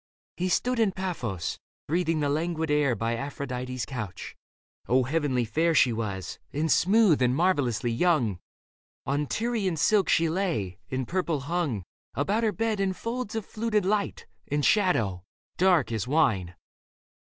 He stood in Paphos, breathing the languid air By Aphrodite's couch. O heavenly fair She was, and smooth and marvellously young ! On Tyrian silk she lay, and purple hung About her bed in folds of fluted light And shadow, dark as wine.